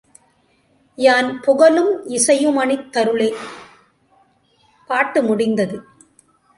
யான்புகலு மிசையுமணித் தருளே! பாட்டு முடிந்தது.